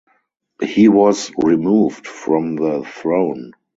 He was removed from the throne.